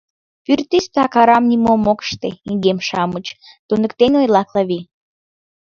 Пӱртӱс так арам нимом ок ыште, игем-шамыч! — туныктен ойла Клави.